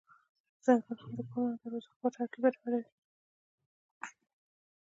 څنګلونه د کورونو او دروازو لپاره لرګي برابروي.